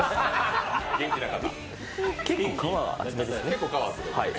元気な方。